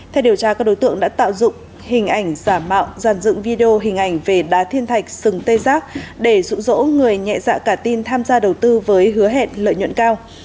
theo điều tra các đối tượng đã tạo dụng hình ảnh giả mạo dàn dựng video hình ảnh về đá thiên thạch sừng tê giác để dụ dỗ người nhẹ dạ cả tin tham gia đầu tư với hứa hẹn lợi nhuận cao